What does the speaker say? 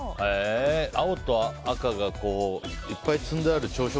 青と赤がいっぱい積んである朝食